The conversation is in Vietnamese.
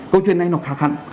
câu chuyện này nó khá khăn